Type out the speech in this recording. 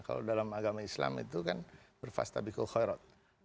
kalau dalam agama islam itu kan berfasta bikul khairat